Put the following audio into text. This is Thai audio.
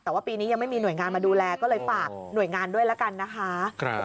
แต่ว่าปีนี้ยังไม่มีหน่วยงานมาดูแลก็เลยฝากหน่วยงานด้วยแล้วกันนะคะ